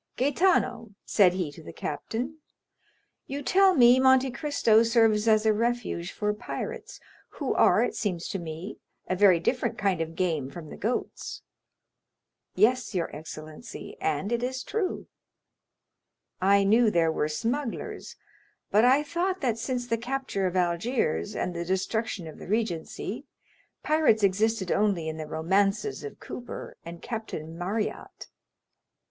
"Gaetano," said he to the captain, "you tell me Monte Cristo serves as a refuge for pirates, who are, it seems to me, a very different kind of game from the goats." "Yes, your excellency, and it is true." "I knew there were smugglers, but I thought that since the capture of Algiers, and the destruction of the regency, pirates existed only in the romances of Cooper and Captain Marryat."